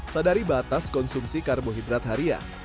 sadari batas konsumsi karbohidrat harian